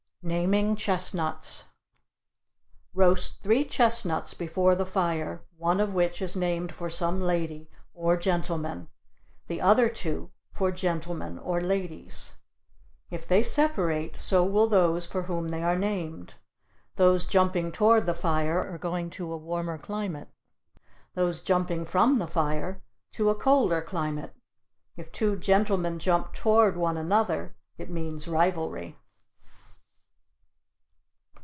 NAMING CHESTNUTS Roast three chestnuts before the fire, one of which is named for some lady (or gentleman); the other two, for gentlemen (or ladies). If they separate, so will those for whom they are named; those jumping toward the fire are going to a warmer climate; those jumping from the fire, to a colder climate; if two gentlemen jump toward one another, it means rivalry.